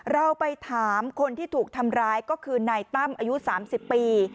เราไปถามคนที่ถูกทำร้ายก็คือนายตั้มอายุ๓๐ปี